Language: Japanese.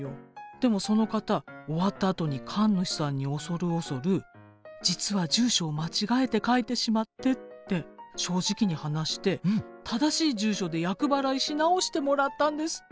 でもその方終わったあとに神主さんに恐る恐る「実は住所を間違えて書いてしまって」って正直に話して正しい住所で厄払いし直してもらったんですって！